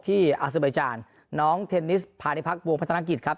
ที่อาซิบัยจารย์น้องเทนนิสพาณิพักษ์วงพัฒนากิจครับ